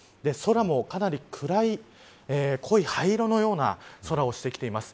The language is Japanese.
空も、かなり暗い濃い灰色のような空をしてきています。